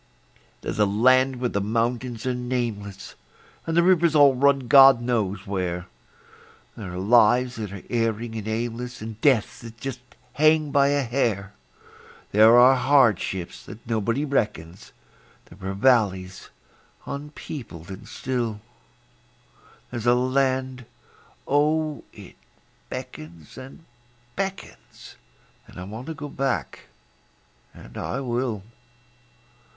There's a land where the mountains are nameless, And the rivers all run God knows where; There are lives that are erring and aimless, And deaths that just hang by a hair; There are hardships that nobody reckons; There are valleys unpeopled and still; There's a land oh, it beckons and beckons, And I want to go back and I will.